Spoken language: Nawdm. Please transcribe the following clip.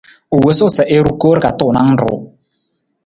U wosu sa i ru koor ka tuunang ruu.